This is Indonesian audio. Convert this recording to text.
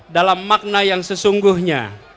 dalam makna yang sesungguhnya